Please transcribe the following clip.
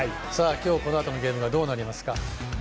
今日このあとのゲームはどうなりますか？